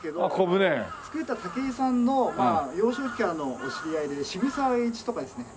造った竹井さんの幼少期からのお知り合いで渋沢栄一とかですね